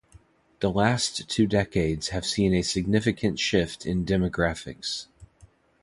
The last two decades have seen a significant shift in demographics.